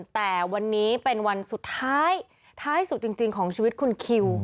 แต่วันนี้เป็นวันสุดท้ายท้ายสุดจริงของชีวิตคุณคิว